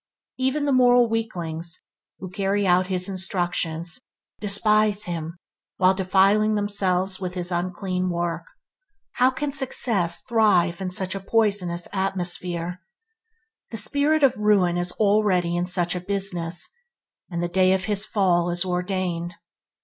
Even the moral weaklings who carry out his instructions, despise him while defiling themselves with his unclean work. How can success thrive in such a poisonous atmosphere? The spirit of ruin is already in such a business, and the day of his fall is ordained.